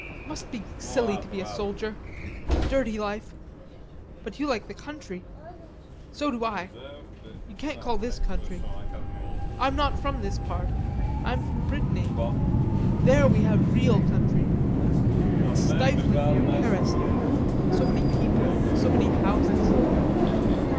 Must be silly to be a soldier. Dirty life.... But you like the country. So do I. You can't call this country. I'm not from this part; I'm from Brittany. There we have real country. It's stifling near Paris here, so many people, so many houses."